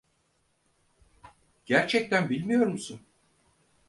Gerçekten bilmiyor musun?